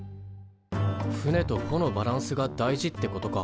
船とほのバランスが大事ってことか。